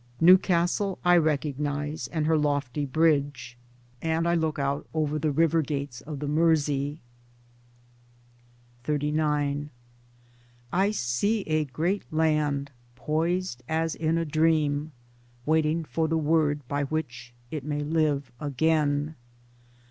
Newcastle I recognise, and her lofty bridge ; and I look out over the river gates of the Mersey. XXXIX I see a great land poised as in a dream — waiting for the word by which it may live again.